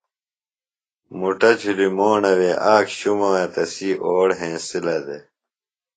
مُٹہ جُھلیۡ موݨہ وے آک شُموے تسی اوڑہ ہینسِلہ دےۡ۔